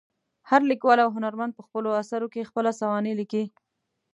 هر لیکوال او هنرمند په خپلو اثرو کې خپله سوانح لیکي.